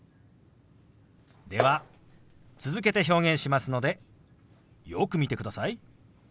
では続けて表現しますのでよく見てください。